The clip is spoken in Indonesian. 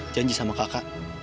janji sama kakak